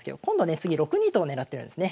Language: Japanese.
次６二と金を狙ってるんですね。